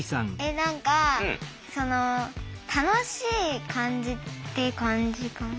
何かその楽しい感じって感じかな。